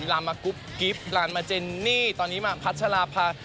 ลานมากุ๊บกิฟต์ลานมาเจนนี่ตอนนี้มาพัชราภา